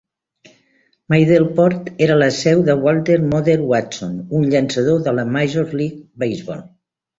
Middleport era la seu de Walter "Mother" Watson, un llançador de la Major League Baseball.